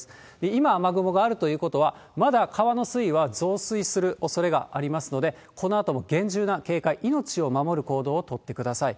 今、雨雲があるということは、まだ川の水位は増水するおそれがありますので、このあとも厳重な警戒、命を守る行動を取ってください。